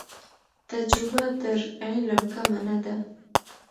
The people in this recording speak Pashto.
تجربه تر علم کمه نه ده.